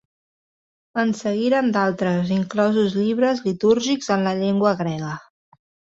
En seguiren d'altres, inclosos llibres litúrgics en la llengua grega.